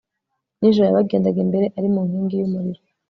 nijoro yabagendaga imbere, ari mu nkingi y'umuriro